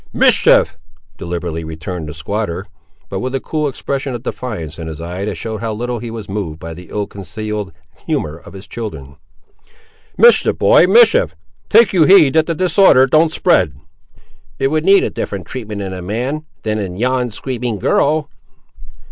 "Mischief," deliberately returned the squatter; but with a cool expression of defiance in his eye that showed how little he was moved by the ill concealed humour of his children. "Mischief, boy; mischief! take you heed that the disorder don't spread." "It would need a different treatment in a man, than in yon screaming girl!"